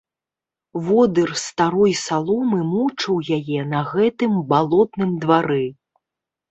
Водыр старой саломы мучыў яе на гэтым балотным двары.